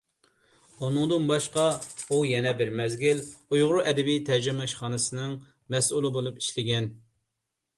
ئۇنىڭدىن باشقا، ئۇ يەنە بىر مەزگىل ئۇيغۇر ئەدەبىي تەرجىمە ئىشخانىسىنىڭ مەسئۇلى بولۇپ ئىشلىگەن.